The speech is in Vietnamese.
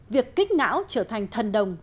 việc kích não trở thành thần đồng